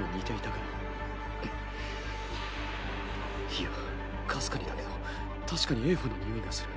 いやかすかにだけど確かにエーファの匂いがする。